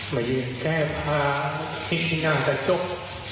มาเย็นแค่พาพิชินาตะโจ๊ก